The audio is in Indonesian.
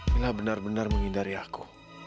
mila benar benar menghindari aku